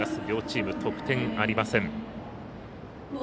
両チーム得点ありません。